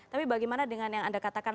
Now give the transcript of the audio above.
tapi bagaimana dengan yang anda katakan